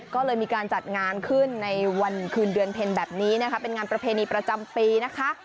ก็เลยมีการจัดงานขึ้นในวันคืนเดือนเพ็ญแบบนี้นะคะเป็นงานประเพณีประจำปีนะคะ